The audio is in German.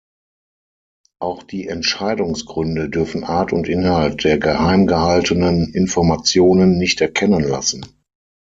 Auch die Entscheidungsgründe dürfen Art und Inhalt der geheim gehaltenen Informationen nicht erkennen lassen.